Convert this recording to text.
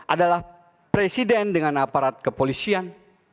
adalah presiden dengan aparat kepolisian